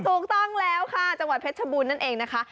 ถูกต้องแล้วค่ะจังหวัดเพชรชบูรณนั่นเองนะคะ